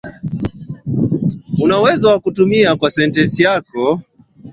Unaweza kutumia kwa sentensi yako